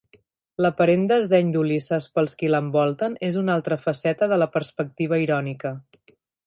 L'aparent desdeny d'Ulisses pels qui l'envolten és una altra faceta de la perspectiva irònica.